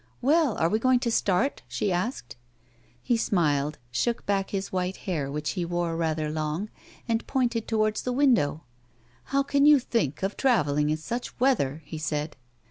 " Well, are we going to start 1 " she asked. He smiled, shook back his white hair which he wore rather long, and pointing towards the window : "How can you think of travelling in such weather?" he said.